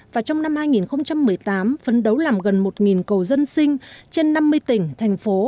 và trong năm hai nghìn một mươi tám phấn đấu làm gần một cầu dân sinh trên năm mươi tỉnh thành phố